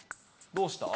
どうした？